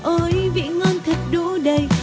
ôi vị ngon thật đủ đầy